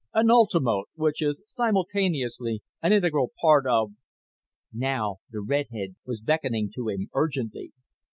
"... an ultimote, which is simultaneously an integral part of ..." Now the redhead was beckoning to him urgently.